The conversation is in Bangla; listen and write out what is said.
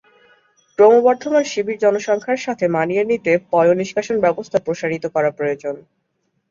ক্রমবর্ধমান শিবির জনসংখ্যার সাথে মানিয়ে নিতে পয়ঃনিষ্কাশন ব্যবস্থা প্রসারিত করা প্রয়োজন।